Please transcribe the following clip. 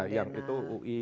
yang itu ui